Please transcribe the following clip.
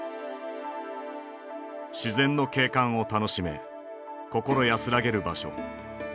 自然の景観を楽しめ心安らげる場所。